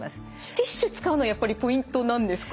ティッシュ使うのやっぱりポイントなんですか？